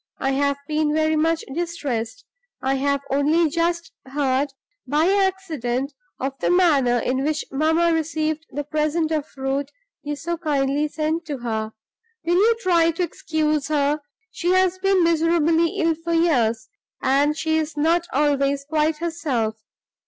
I have been very much distressed; I have only just heard, by accident, of the manner in which mamma received the present of fruit you so kindly sent to her. Will you try to excuse her? She has been miserably ill for years, and she is not always quite herself.